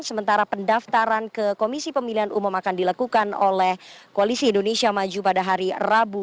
sementara pendaftaran ke komisi pemilihan umum akan dilakukan oleh koalisi indonesia maju pada hari rabu